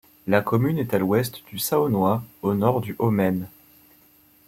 La commune est à l'ouest du Saosnois, au nord du Haut-Maine.